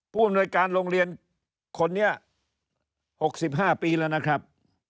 ผู้อำนวยการโรงเรียนคนนี้๖๕ปีแล้วนะครับ